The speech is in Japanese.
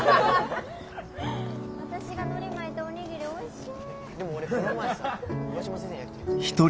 私がのり巻いたお握りおいしい。